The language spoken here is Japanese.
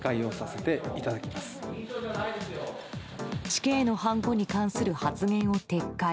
死刑のはんこに関する発言を撤回。